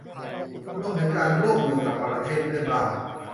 รวมถึงการร่วมมือกับประเทศเพื่อนบ้าน